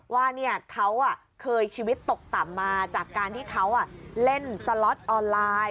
ว่าเขาเคยชีวิตตกต่ำมาจากการที่เขาเล่นสล็อตออนไลน์